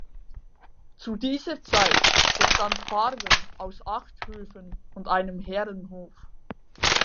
Zu dieser Zeit bestand Farven aus acht Höfen und einem Herrenhof.